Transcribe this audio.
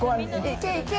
行け行け。